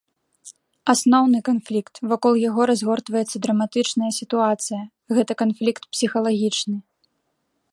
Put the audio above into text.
Асноўны канфлікт, вакол яго разгортваецца драматычная сітуацыя, гэта канфлікт псіхалагічны.